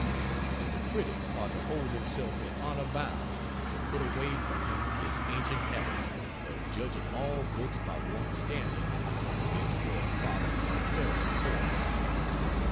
And the critic ought to hold himself in honor bound to put away from him his ancient habit of judging all books by one standard, and thenceforth follow a fairer course.